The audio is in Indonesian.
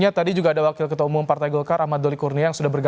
tadi juga ada wakil ketua umum partai golkar ahmad doli kurnia yang sudah bergabung